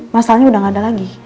masalahnya udah nggak ada lagi